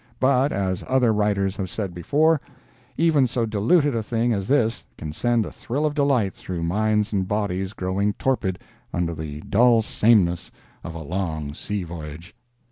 But, as other writers have said before, even so diluted a thing as this can send a thrill of delight through minds and bodies growing torpid under the dull sameness of a long sea voyage.